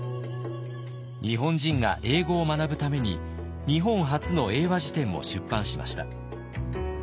日本人が英語を学ぶために日本初の英和辞典も出版しました。